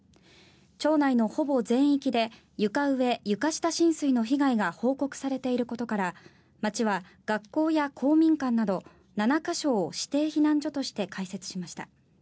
町内のほぼ全域で床上・床下浸水の被害が報告されていることから町は学校や公民館など７か所を指定避難所として開設しました。